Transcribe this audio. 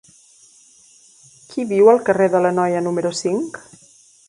Qui viu al carrer de l'Anoia número cinc?